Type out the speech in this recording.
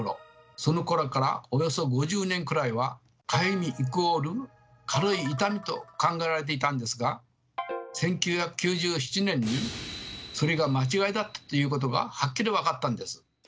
そのころからおよそ５０年くらいはかゆみイコール軽い痛みと考えられていたんですが１９９７年にそれが間違いだったということがはっきり分かったんです。